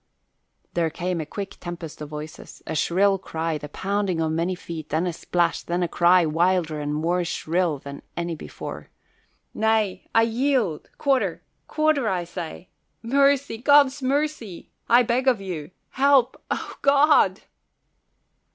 There came a quick tempest of voices, a shrill cry, the pounding of many feet, then a splash, then a cry wilder and more shrill than any before, "Nay, I yield quarter! Quarter, I say! Mercy! God's mercy, I beg of you! Help O God!"